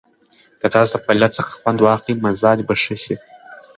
که تاسو د فعالیت څخه خوند واخلئ، مزاج به ښه شي.